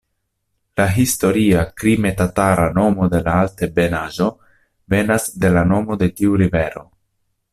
La historia krime-tatara nomo de la altebenaĵo venas de la nomo de tiu rivero.